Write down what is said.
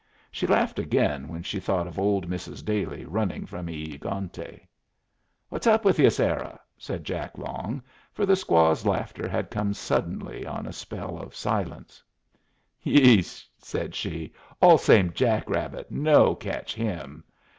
She laughed again when she thought of old Mrs. Dailey running from E egante. "What's up with ye, Sarah?" said Jack Long, for the squaw's laughter had come suddenly on a spell of silence. "Hé!" said she. "All same jack rabbit. No catch him."